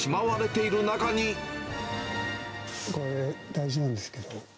これは大事なんですけど。